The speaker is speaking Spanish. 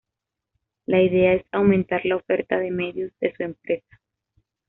La idea es aumentar la oferta de medios de su empresa.